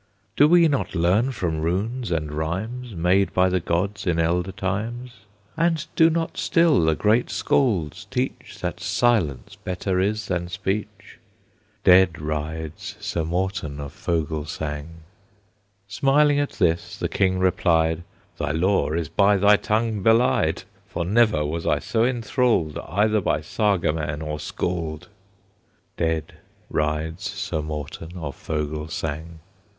"Do we not learn from runes and rhymes Made by the gods in elder times, And do not still the great Scalds teach That silence better is than speech?" Dead rides Sir Morten of Fogelsang. Smiling at this, the King replied, "Thy lore is by thy tongue belied; For never was I so enthralled Either by Saga man or Scald." Dead rides Sir Morten of Fogelsang.